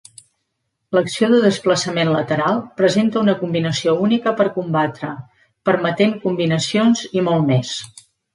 L'acció de desplaçament lateral presenta una combinació única per combatre, permetent combinacions i molt més.